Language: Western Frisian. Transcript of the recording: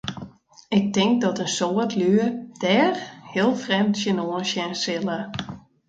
Ik tink dat in soad lju dêr heel frjemd tsjinoan sjen sille.